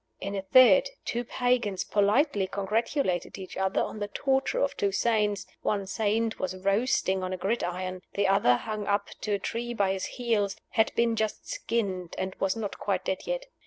In a third, two pagans politely congratulated each other on the torture of two saints: one saint was roasting on a grid iron; the other, hung up to a tree by his heels, had been just skinned, and was not quite dead yet.